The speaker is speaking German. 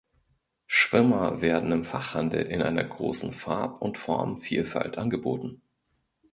Schwimmer werden im Fachhandel in einer großen Farb- und Formenvielfalt angeboten.